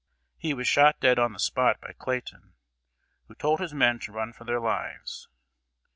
He was shot dead on the spot by Clayton, who told his men to run for their lives.